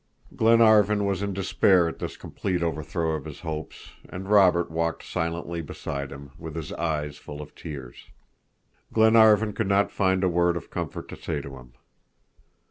Glenarvan was in despair at this complete overthrow of his hopes, and Robert walked silently beside him, with his eyes full of tears. Glenarvan could not find a word of comfort to say to him.